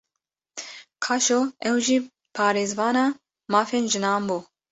Qaşo ew jî parêzvana mafên jinan bû